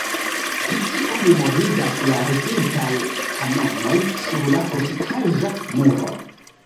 Pri tio memorigas la restintaj kanonoj sur la fortikaĵa muro.